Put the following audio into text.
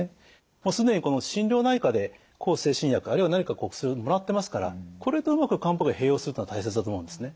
もう既に心療内科で向精神薬あるいは何か薬をもらってますからこれとうまく漢方薬を併用するというのが大切だと思うんですね。